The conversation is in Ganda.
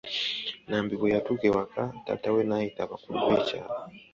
Nambi bwe yatuuka ewaka, taata we n'ayita abakulu b'ekyaalo.